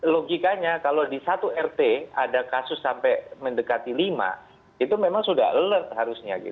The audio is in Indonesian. logikanya kalau di satu rt ada kasus sampai mendekati lima itu memang sudah alert harusnya